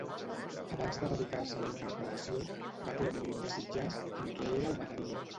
Abans de dedicar-se a la interpretació, va crear un grup d'acid jazz en què era el bateria.